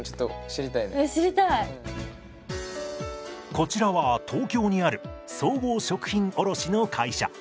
こちらは東京にある総合食品卸の会社。